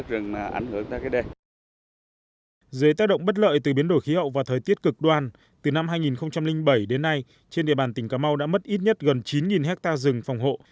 dưới tác động bất lợi từ biến đổi khí hậu và thời tiết cực đoan từ năm hai nghìn bảy đến nay trên địa bàn tỉnh cà mau đã mất ít nhất gần chín hectare rừng phòng hộ